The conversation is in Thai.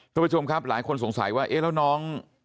ทุกผู้ชมครับหลายคนสงสัยว่าเอ๊ะแล้วน้อง